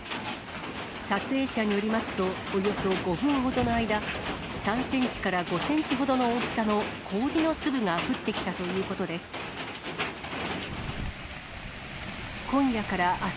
撮影者によりますと、およそ５分ほどの間、３センチから５センチほどの大きさの氷の粒が降ってきたということです。